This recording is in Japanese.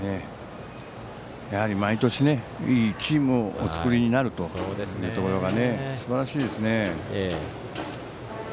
毎年、いいチームをお作りになるところがすばらしいですね。